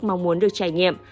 mong muốn được trải nghiệm